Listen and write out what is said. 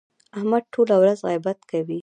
احمد ټوله ورځ غیبت کوي.